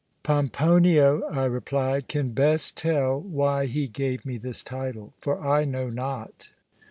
'Pomponio,' I replied, 'can best tell why he gave me this title, for I know not.'